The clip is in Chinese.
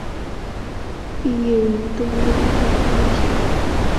毕业于东吴大学法律系。